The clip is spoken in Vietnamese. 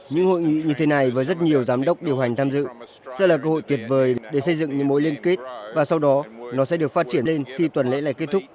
những hội nghị như thế này với rất nhiều giám đốc điều hành tham dự sẽ là cơ hội tuyệt vời để xây dựng những mối liên kết và sau đó nó sẽ được phát triển lên khi tuần lễ này kết thúc